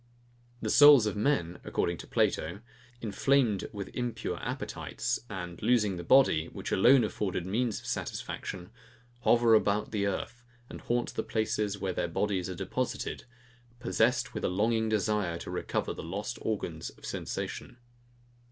The souls of men, according to Plato [Footnote: Phaedo.], inflamed with impure appetites, and losing the body, which alone afforded means of satisfaction, hover about the earth, and haunt the places, where their bodies are deposited; possessed with a longing desire to recover the lost organs of sensation.